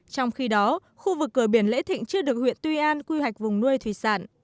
trong khi đó khu vực cửa biển lễ thịnh chưa được huyện tuy an quy hoạch vùng nuôi thủy sản